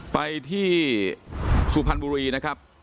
ไปที่สุพรรณบุรีนะครับ